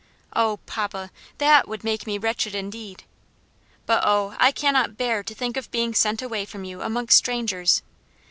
Oh, papa, that would make me wretched indeed! But oh, I cannot bear to think of being sent away from you amongst strangers!